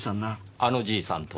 あのじいさんとは？